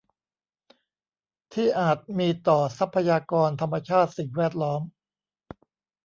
ที่อาจมีต่อทรัพยากรธรรมชาติสิ่งแวดล้อม